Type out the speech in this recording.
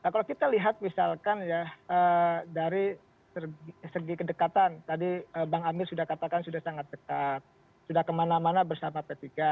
kalau kita lihat misalkan ya dari segi kedekatan tadi bang amir sudah katakan sudah sangat dekat sudah kemana mana bersama p tiga